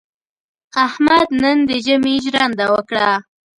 احمد نن د ژمي ژرنده وکړه.